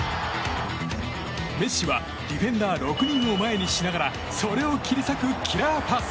メッシはディフェンダー６人を前にしながらそれを切り裂くキラーパス。